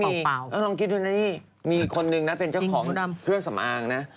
ลองคิดดูนะนี่มีคนนึงนะเป็นเจ้าของเครื่องสำอางนะ